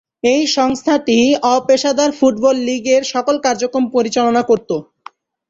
এই সংস্থাটি অপেশাদার ফুটবল লীগের সকল কার্যক্রম পরিচালনা করতো।